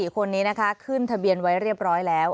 ๔คนนี้นะคะขึ้นทะเบียนไว้เรียบร้อยแล้ว